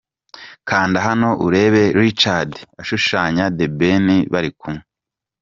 Kanda hano urebe Richard ashushanya The Ben bari kumwe.